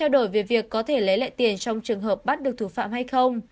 đổi về việc có thể lấy lại tiền trong trường hợp bắt được thủ phạm hay không